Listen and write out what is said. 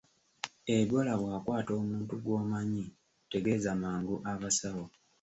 Ebola bw’akwata omuntu gw’omanyi tegeeza mangu abasawo.